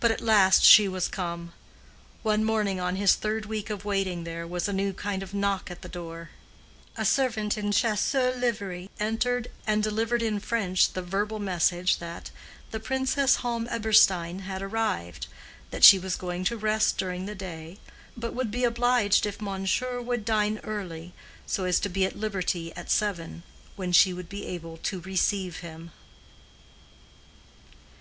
But at last she was come. One morning in his third week of waiting there was a new kind of knock at the door. A servant in Chasseurs livery entered and delivered in French the verbal message that, the Princess Halm Eberstein had arrived, that she was going to rest during the day, but would be obliged if Monsieur would dine early, so as to be at liberty at seven, when she would be able to receive him.